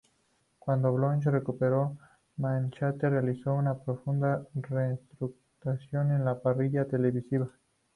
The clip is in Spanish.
Cuando Bloch recuperó Manchete, realizó una profunda reestructuración en la parrilla televisiva.